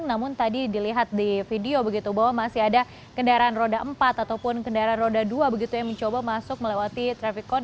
namun tadi dilihat di video begitu bahwa masih ada kendaraan roda empat ataupun kendaraan roda dua begitu yang mencoba masuk melewati traffic con